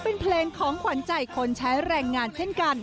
เป็นเพลงของขวัญใจคนใช้แรงงานเช่นกัน